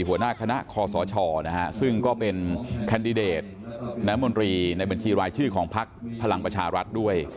หัวหน้าคณะคอสชซึ่งก็เป็นแคนดิเดตน้ำมนตรีในบัญชีรายชื่อของพักพลังประชารัฐด้วย